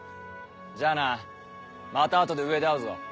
じゃあなまた後で上で会うぞ。